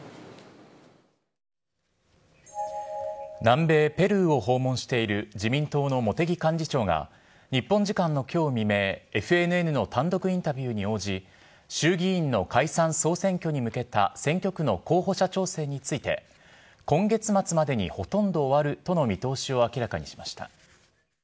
南米ペルーを訪問している自民党の茂木幹事長が、日本時間のきょう未明、ＦＮＮの単独インタビューに応じ、衆議院の解散・総選挙に向けた選挙区の候補者調整について、今月末までにほとんど終わるとの見通しを明らかにしました。